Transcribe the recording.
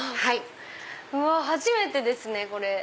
初めてですねこれ。